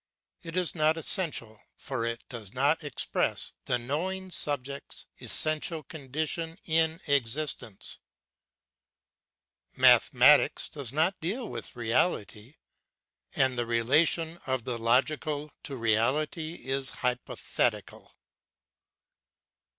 It is not essential, for it does not express the knowing subject's essential condition in existence. Mathematics does not deal with reality, and the relation of the logical to reality is hypothetical.